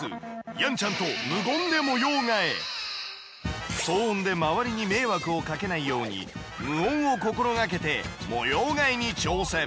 やんちゃんと騒音で周りに迷惑をかけないように無音を心がけて模様替えに挑戦。